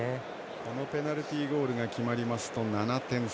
このペナルティーゴールが決まりますと７点差。